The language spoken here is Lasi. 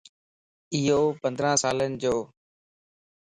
ايو پندران سالين جوَ